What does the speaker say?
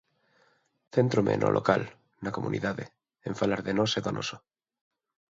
Céntrome no local, na comunidade, en falar de nós e do noso.